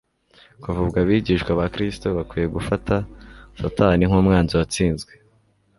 Kuva ubwo abigishwa ba Kristo bakwiye gufata Satani nk'umwanzi watsinzwe.